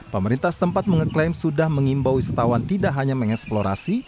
pemerintah setempat mengklaim sudah mengimbau wisatawan tidak hanya mengeksplorasi